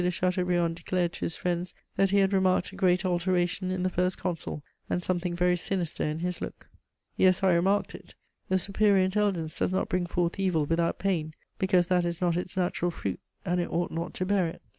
de Chateaubriand declared to his friends that he had remarked a great alteration in the First Consul, and something very sinister in his look." Yes, I remarked it: a superior intelligence does not bring forth evil without pain, because that is not its natural fruit, and it ought not to bear it.